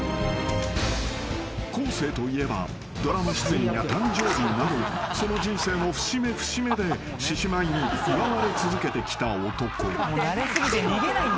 生といえばドラマ出演や誕生日などその人生の節目節目で獅子舞に祝われ続けてきた男］